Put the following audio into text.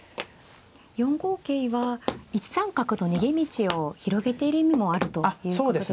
４五桂は１三角の逃げ道を広げている意味もあるということでしたが。